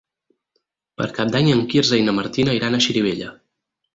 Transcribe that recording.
Per Cap d'Any en Quirze i na Martina iran a Xirivella.